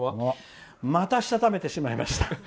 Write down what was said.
また、したためてしまいました。